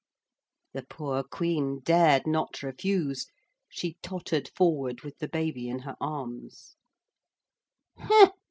The poor Queen dared not refuse. She tottered forward with the baby in her arms.